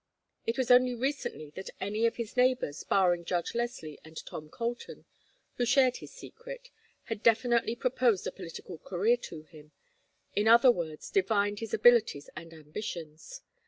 It was only recently that any of his neighbors, barring Judge Leslie and Tom Colton, who shared his secret, had definitely proposed a political career to him, in other words divined his abilities and ambitions.